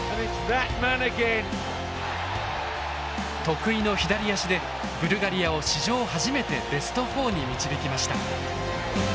得意の左足でブルガリアを史上初めてベスト４に導きました。